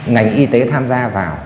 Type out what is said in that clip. ngành y tế tham gia vào